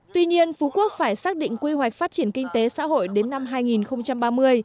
tuy nhiên phú quốc phải xác định quy hoạch phát triển kinh tế xã hội đến năm hai nghìn ba mươi